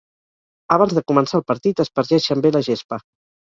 Abans de començar el partit, aspergeixen bé la gespa.